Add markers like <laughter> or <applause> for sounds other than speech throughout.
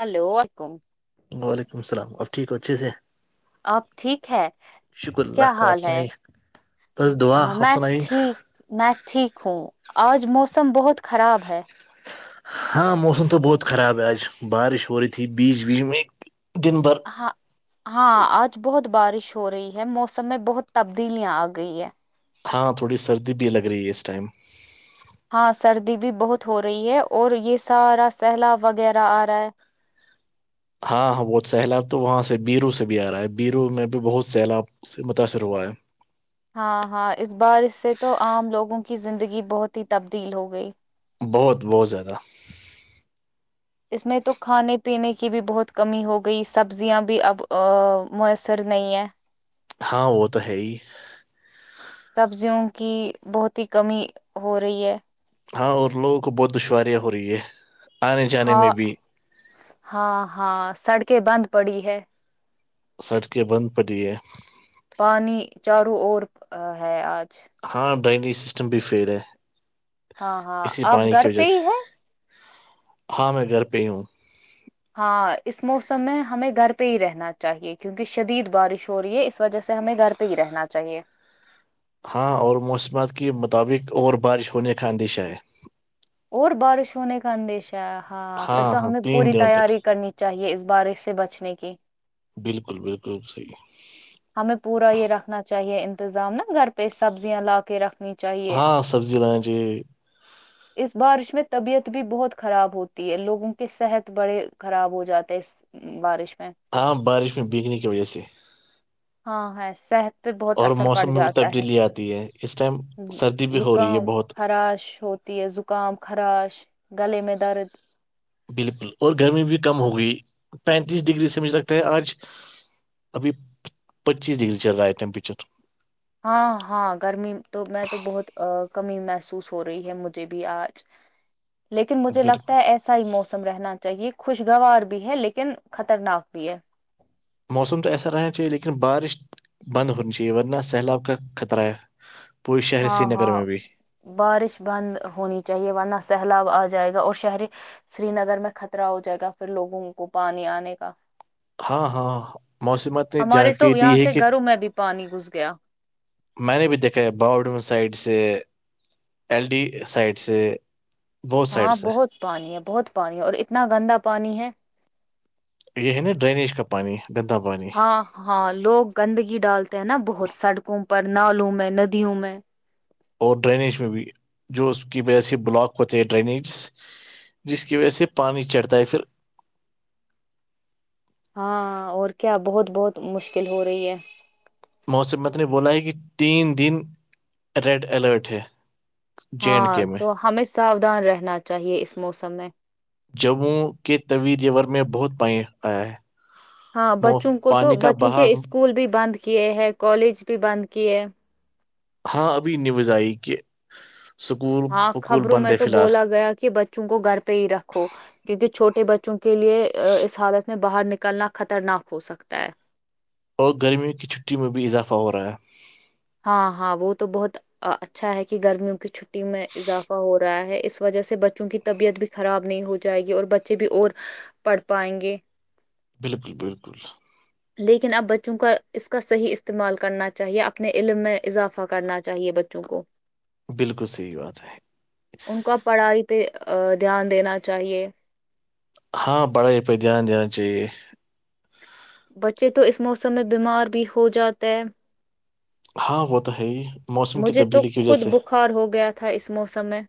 hello ولیکم اچھے سے اب ٹھیک ہے شکر کیا اللہ کا آپ حال ہے سنائیے بس دعا آپ میں سنائیے ٹھیک میں ٹھیک ہوں آج موسم بہت خراب ہے ہاں موسم تو بہت خراب ہے آج بارش ہو رہی تھی بیچ بیچ میں دن برگ ہاں ہاں آج بہت بارش ہو رہی ہے موسم میں بہت تبدیلیاں آ گئی ہے ہاں تھوڑی سردی بھی لگ رہی ہے اس ٹائم ہاں سردی بھی بہت ہو رہی ہے اور یہ سارا سہلا وغیرہ آ رہا ہے ہاں ہاں بت سیلاب تو وہاں سے بیرو سے بھی آ رہا ہے بیرو میں بھی بہت سیلاب سے متاثر ہوا ہے ہاں ہاں اس بار اس سے تو عام لوگوں کی زندگی بہت ہی تبدیل ہو گئی بہت بہت زیادہ اس میں تو کھانے پینے کی بھی بہت کمی ہو گئی سبزیاں بھی اب میسر نہیں ہیں ہاں وہ تو ہے ہی سبزیوں کی بہت ہی کمی ہو رہی ہے ہاں اور لوگوں کو بہت دشواریاں ہو رہی ہے آنے جانے میں ہاں بھی ہاں ہاں سڑکیں بند پڑی ہے سڑکیں بند پڑی ہے پانی چاروں اور ہے آج ہاں ڈرینیج سسٹم بھی فیل ہے ہاں ہاں اسی آپ پانی کی گھر وجہ پہ ہی سے ہے ہاں میں گھر پہ ہی ہوں ہاں اس موسم میں ہمیں گھر پہ ہی رہنا چاہیے کیونکہ شدید بارش ہو رہی ہے اس وجہ سے ہمیں گھر پہ تو ہی رہنا چاہیے ہاں اور موسمات کے مطابق اور بارش ہونے کا اندیشہ ہے اور بارش ہونے کا اندیش ہے ہاں پھر تو ہاں ہمیں تین پوری دنوں تک تیاری کرنی چاہیے اس بارش سے بچنے کی بالکل بالکل صحی ہمیں پورا یہ رکھنا چاہیے انتظام نا گھر پہ سبزیاں لا کے رکھ نی چاہیے ہاں سبزی لانا چاہیے اس بارش میں طبیعت بھی بہت خراب ہوتی ہے لوگوں کے صحت بڑے خراب ہو جاتے ہے اس بارش میں ہاں بارش میں بگنے کی وجہ سے ہاں ہے س پہ بہت اور اثر پڑ موسم میں بھی جاتا ہے تبدیلی آتی ہے اس ٹائم سردی بھی ہو لکاں رہی ہے بہت خراش ہو ت زکام خراش گل میں درد بالکل اور گرمی بھی کم ہوگئی پینتیس ڈگری سے م لگتا ہے آج ابھی پچیس ڈگری چل رہا ہے ٹیمپریچر ہاں ہاں گرمی تو میں تو بہت کمی محسوس ہو رہی ہے مجھے بھی آج لیکن مجھے بالکل لگتا ہے ایسا صحیح موسم رہنا چاہیے خوشگوار بھی ہے لیکن خطرناک بھی ہے موسم تو ایسا رہنا چاہیے لیکن بارش بند ہونی چاہیے ورنہ سیلاب کا خطرہ ہے پورے شہر ہاں سری نگر ہاں میں بھی بارش بند ہونی چاہیے ورنہ سہلاب آ جائے گا اور شہر سری نگر میں خطرہ ہو جائے گا پھر لوگوں کو پانی آنے کا ہاں ہاں موسمت ہمارے تو یہاں سے گھروں میں بھی پانی گھس گیا میں نے بھی دیکھا ہے باؤڈون سائڈ سے ایل ڈی سائڈ سے بہت سائڈ ہاں سے بہت پانی ہے بہت پانی ہے اور اتنا گندا پانی ہے یہ ہے نا ڈرینییج کا پانی گندا پانی ہاں ہاں لوگ گندگی ڈالتے ہیں نا بہت سڑکوں پر نالوں میں ندیوں میں اور ڈرینیج میں بھی جو اس کی وجہ سے بلاک ہوتے ہیں ڈرینیج جس کی وجہ سے پانی چڑھتا ہے پھر ہاں اور کیا بہت بہت مشکل ہو رہی ہے موسمتر نے بولا ہے کہ تین دن ریڈ الرٹ ہے جے اینڈ ہاں کے میں تو ہمیں ساودھان رہنا چاہیے اس موسم میں جموں کے طوی یور میں بہت پائیں آیا ہے ہاں مو- بچوں کو تو پانی کا بچوں کے بہاؤ اسکول بھی بند کیے ہیں کالج بھی بند کیے ہاں ابھی نیوز آئی کہ سکول ہاں پکول خبروں بند میں ہے تو فی الحال بولا گیا کہ بچوں کو گھر پہ ہی رکھو کیونکہ چھوٹے بچوں کے لیے اس حالت میں باہر نکلنا خطرناک ہو سکتا ہے اور گرمیوں کی چھٹی میں بھی اضافہ ہو رہا ہے ہاں ہاں وہ تو بہت اچھا ہے کہ گرمیوں کی چ چھٹی میں اضافہ ہو رہا ہے اس وجہ سے بچوں کی طبیعت بھی خراب نہیں ہو جائے گی اور بچے بھی اور پڑھ پائیں گے بالکل بالکل لیکن اب بچوں کا اس کا صحیح استعمال کرنا چاہیے اپنے علم میں اضافہ کرنا چاہیے بچوں کو <inaudible> بالکل صحیح بات ہے ان کا پڑھائی پہ دھیان دینا چاہیے ہاں پڑھائی پہ دھیان دینا چاہیے بچے تو اس موسم میں بیمار بھی ہو جاتے ہیں ہاں وہ تو ہے موسم کی مجھے تو تبدیلی کی وجہ خود سے بخار ہو گیا تھا اس موسم میں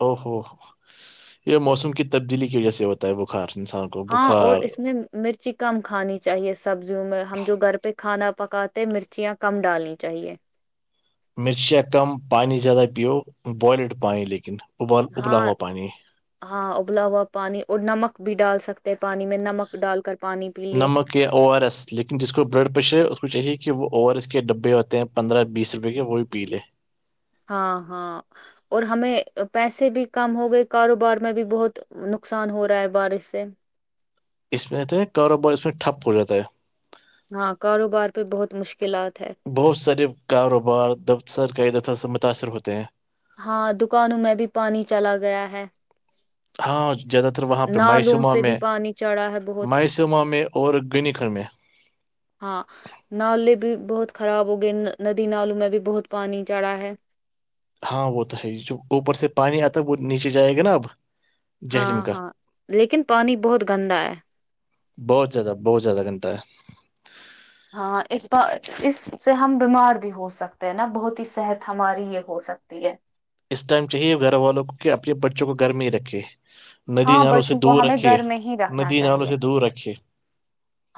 او ہوو یہ موسم کی تبدیلی کی وجہ سے ہوتا ہے بخار انسان کو ہاں اور بخار اس میں مرچی کم کھانی چاہیے سبزیوں میں ہم جو گھر پہ کھانا پکاتے مرچیاں کم ڈالنی چاہیے مرچیا کم پانی زیادہ پ بلڈ پانیانی لیکن ابال ابلا ہاں پانی ہاں ابلا ہوا پانی اور نمک بھی ڈال سکتے پانی میں نمک ڈال کر پانی پی لیے کہ او آر ایس لیکن جس کو بلڈ پریشر ہے اس کو چاہے کہ وہ اوور ایس کے ڈبے ہوتے ہیں پندرہ بیس روپئے کے وہ بھی پی لے ہاں ہاں اور ہمیں پیسے بھی کم ہو گئے کاروبار میں بھی بہت نقصان ہو رہا ہے بارش سے اس میں کہتا ہے کاب اس میں ٹپ ہو جاتا ہے ہاں کاروبار پہ بہت مشکلات ہے بہت سارے کاروبار دفتر کا دفتر سے متاثر ہوتے ہیں ہاں دکانوں میں بھی پانی چلا گیا ہے ہاں زیادہ تر وہاں پہ نالوں مائسوما سے بھی میں پانی چڑھا ہے بہت مائسما میں اور گنییکھر میں ہاں نالے بھی بہت خراب ہو گئے ندی نالوں میں بھی بہت پانی چڑھا ہے ہاں وہ تو ہے یہ جو اوپر سے پانی آتا ہے وہ نیچے جائے گا نا اب ہاں جہلم کا ہاں لیکن پانی بہت گندا ہے بہت زیادہ بہت زیاد گھنتا ہے ہاں اس اس سے ہم بیمار بھی ہو سکتے ہیں نا بہت ہی صحت ہماری یہ ہو سکتی کرتی ہے اس ٹائم چاہیے گھر والوں کو کہ اپنے بچوں کو گھر میں ہی رکھے ندی ہاں نالوں سے بچوں کو دور ہمیں رکھیے گھر میں ہی رکھنا ندی نالوں چاہیے سے دور رکھیے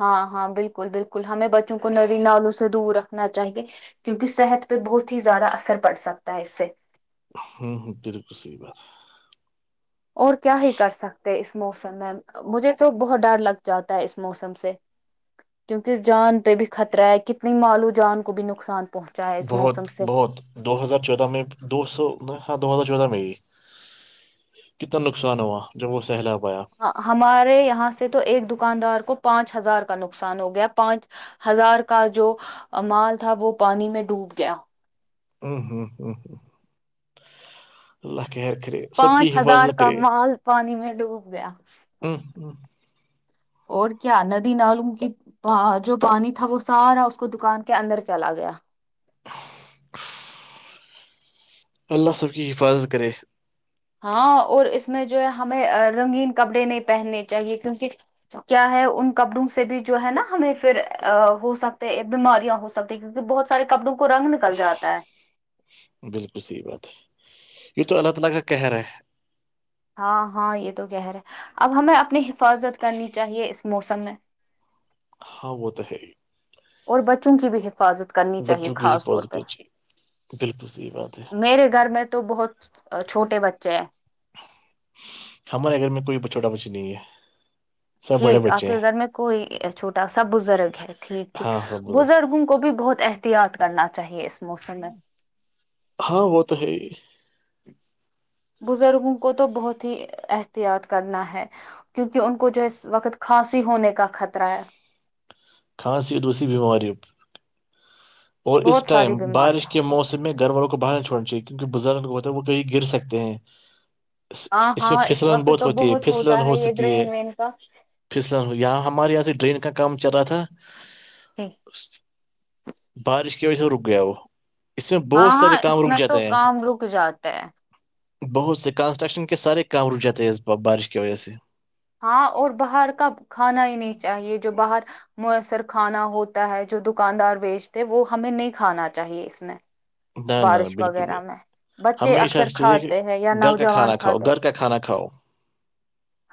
ہاں ہاں بالکل بالکل ہمیں بچوں کو ندی نالوں سے دور رکھنا چاہیے کیونکہ صحت پہ بہت ہی زیادہ اثر پڑ سکتا ہے اس سے ہوں ہ بالکل صحیح بات ہے اور کیا ہی کر سکتے اس موسم میں مجھے تو بہت ڈر لگ جاتا ہے اس موسم سے کیونکہ جان پہ بھی خطرہ ہے کتنی معالو جان کو بھی نقصان پہنچ بہت بہت دو ہزار چودہ میں دو سو ہاں دو ہزار چودہ میں ہی کتنا نقصان ہوا جب وہ سہلا پایا ہمارے یہاں سے تو ایک دکاندار کو پانچ ہزار کا نقصان ہو گیا پانچ ہزار کا جو مال تھا وہ پانی میں ڈوب گیا ہوں ہوں ہ ہ اللہ کےیر کرے سب کی پانچ ہزار حفاظت کا کرے مال پانی میں ڈوب گیا <inaudible> ہ ہ اور کیا ندی نلوم کے جو پانی تھا وہ سارا اس کو دکان کے اندر چلا گیا <unintelligible> اللہ سب کی حفاظت کرے ہاں اور اس میں جو ہے ہمیں رنگین کپڑے نہیں پہننے چاہیے کیونکہ کیا ہے ان کپڑوں سے بھی جو ہے نا ہمیں پھر ہو سکتے بیماریاں ہو سکتی کیکہ بہت سارے کپڑوں کو رن نل جا ہے بالکل صحیح بات ہے یہ تو اللہ تعالی کا کہر ہے ہاں ہاں یہ تو کہہ رہے ہے اب ہمیں اپنی حفاظت کرنی چاہیے اس موسم میں ہاں وہ تو ہے اور بچوں کی بھی حفاظت کرنی چاہیے بچوں کی خاص طور حفاظت پہ کیجیے بالکل صحیح بات ہے میرے گھر میں تو بہت چھوٹے بچے ہمارے گھر میں کوئی چھوٹا بچی نہیں ہے سب بڑے ٹھیک آپ بچے کے ہیں گھر میں کوئی چھوٹا سا بزرگ ہے ٹھیک ٹھیک ہاں سب گزر بزرگوں کو بھی بہت احتیاط کرنا چاہیے اس موسم میں ہاں وہ تو ہے ہی بزرگوں کو تو بہت ہی احتیاط کرنا ہے کیونکہ ان کو جو ہے وقت کھانسی ہونے کا خطرہ ہے کھانسی دوسیی بیماری اور اس بہت ساری ٹائم بارش کے بیماریاں موسم میں گھر والوں کو باہر نہیں چوڑنا چاہیے کیونکہ بزرگ ہوتے وہ کہیں گر سکتے ہیں ہاں اس میں ہاں پھسلن وقت بہت تو ہوتی ہے پھسلن ہوتا ہو ہے یہ سکتی ہے ڈرین وین کا پسن یہاں ہمارے یہاں سے ڈرین کا کام چل رہا تھا بارش کی وجہ سے رک گیا وہ اس میں ہاں بہت ہاں سارے کام اس رک میں جاتے تو ہیں کام رک جاتا ہے بہت سے کنسٹرکشن کے سارے کام رک جاتے ہیں اس بارش کی وجہ سے ہاں اور باہر کا کھانا ہی نہیں چاہیے جو باہر میسر کھانا ہوتا ہے جو دکاندار بیچتے وہ ہمیں نہیں کھانا چاہیے اس میں نہ نہ بارش بالکل وغیرہ بھی میں بچے ہمیشہ اکثر چاہیے کہ کھاتے ہیں یا گھر کا نوجوان کھانا کھاؤ کھاتے ہیں گھر کا کھانا کھاؤ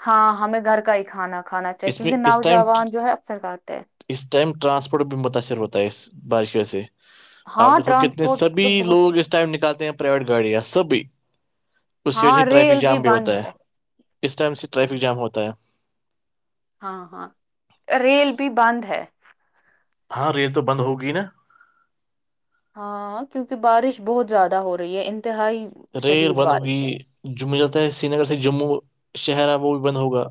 ہاں ہمیں گھر کا ہی کھانا کھانا چاہیے اس میں کیونکہ اس ٹائم نوجوان جو ہے اکثر کھے ہیں اس ائم رانسپورٹ بھی متاثر ہوتا ہے ا اسس بارش ویہ سے اپ ہاں دیکھو کتنے ٹرانسپورٹ تو سبھی بہت لوگ اس ٹائم نکالتے ہیں آ پرائیویٹ گاڑی سبھی اسی وجہ سے ہاں ٹریفک ریل جام بھی ہوتا بند ہے اس ٹائم سے ٹریفک جام ہوتا ہے ہاں ہاں ریل بھی بند ہے ہاں ریل تو بند ہوگی نا ہاں کیونکہ بارش بہت زیادہ ہو رہی ہے انتہائی ریل شدید بند بارش ہوگی ہے م جاتتا ہے سری نگر سے جموں شہر ہے وہ بھی بند ہوگا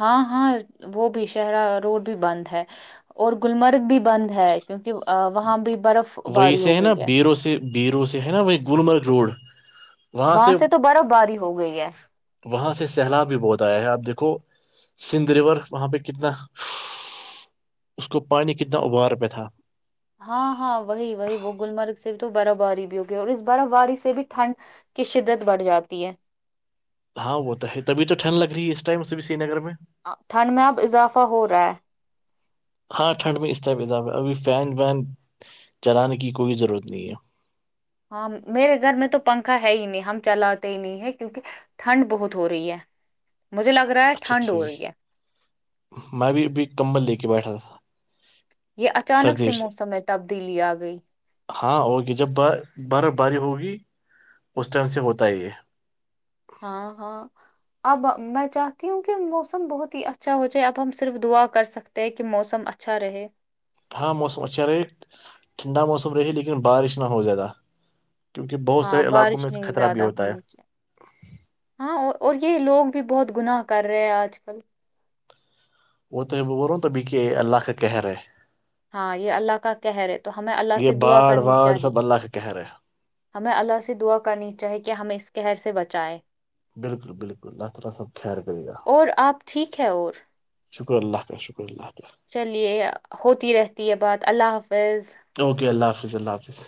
ہاں ہاں وہ بھی شہرا روڈ بھی بند ہے اور گللمرگ بھی بند ہے کیونکہ وہاں بھی برف وہی باری سے ہو نا گئی ہے بیرو سے بیرو سے ہے نا وہی گلمرگ روڈ وہاں سے تو برف باری ہو گئی ہے وہاں سے سیلاب بھی بہت آیا ہے آپ دیکھو سندھ ریور وہاں پہ کتنا اس کو پانی کتنا ابار پہ تھا ہاں ہاں وہی وہی وہ گللمرگ سے بھی تو برف باری بھی ہو گئی اور اس برف باری سے بھی ٹھنڈ کی شدت بڑھ جاتی ہے ہاں وہ تو ہے تبھی تو ٹھنڈ لگ رہی ہے اس ٹائم سری نگر میں ٹھنڈ میں اب اضافہ ہو رہا ہے ہاں ٹھنڈ میں اس ٹرپ اضاب ہے ابھی فین وین چلانے کی کوئی ضرورت نہیں ہے ہاں میرے گھر میں تو پنکھا ہے ہی نہیں ہم چلاتے ہی نہیں ہے کیونک ٹھنڈ بہت ہو رہی ہے مجھے لگ رہا ہے اچھا ٹھنڈ ہو ٹھیک رہی ہے میں بھی ابھی کمبل لے کے بیٹھا تھا یہ اچانک سے موسم میں تبدیلی آ گئی ہاں ہوگی جب برف باری ہوگی اس ٹائم سے ہوتا ہے یہ ہاں ہاں اب میں چاہتی ہوں کہ موسم بہت ہی اچھا ہو جائے اب ہم صرف دعا کر سکتے تے کہ موسم اچھا رہے ہاں موسم اچھا رہے ٹھنڈا موسم رہیے لیکن بارش نہ ہو زیادہ کیونکہ بہت ہاں سارے علاقوں بارش میں نہیں خطرہ بھی زیادہ ہوتا ہے ہونی چاہیے ہاں اور یہ لوگ بھی بہت گناہ کر رہے ہیں آج کل وہ تو ہے وہ بول رہووں تبھی کہ اللہ کا کہہ رہا ہے ہاں یہ اللہ کا قہہر ہے تو ہمیں اللہ یہ سے دعا باڑ کرنی واڑ چاہیے سب اللہ کا کہہ رہے ہے ہمیں اللہ سے دعا کرنی چاہی کہ ہمیں اس قہر سے بچائے بالکل بالکل اللہ تالا سب خیر کرے گا اور آپ ٹھیک ہے اور شکر اللہ کا شکر اللہ کاا چلیے ہوتی رہتی ہے بات اللہ حافظ اوکے اللہ حافظ اللہ حافظ